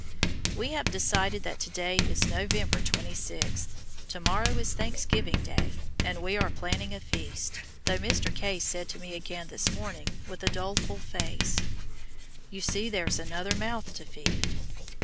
We have decided that to day is November 26th; to morrow is Thanksgiving Day, and we are planning a feast, though Mr. K. said to me again this morning, with a doleful face, "You see there's another mouth to feed."